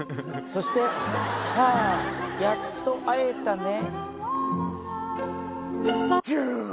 そして「ハァーやっと会えたね」